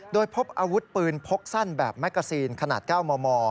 โดยพบอาวุธปืนพกสั้นแบบแมกกาซีนขนาด๙มม